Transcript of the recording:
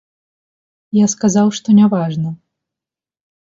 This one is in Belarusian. Я сказаў, што няважна.